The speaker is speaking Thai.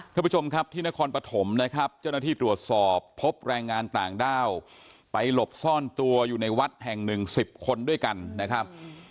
ท่านผู้ชมครับที่นครปฐมนะครับเจ้าหน้าที่ตรวจสอบพบแรงงานต่างด้าวไปหลบซ่อนตัวอยู่ในวัดแห่งหนึ่งสิบคนด้วยกันนะครับ